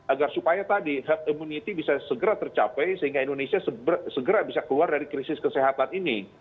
agar supaya tadi herd immunity bisa segera tercapai sehingga indonesia segera bisa keluar dari krisis kesehatan ini